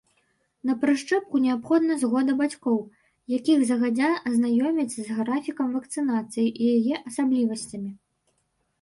На прышчэпку неабходна згода бацькоў, якіх загадзя азнаёмяць з графікам вакцынацыі і яе асаблівасцямі.